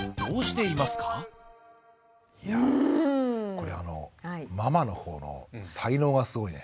これあのママのほうの才能がすごいね。